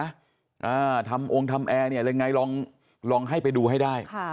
อ่าทำองค์ทำแอร์เนี่ยอะไรไงลองลองให้ไปดูให้ได้ค่ะ